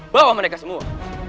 bawa mereka semua